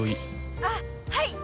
あっはい！